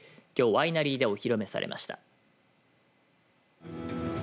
ワイナリーでお披露目されました。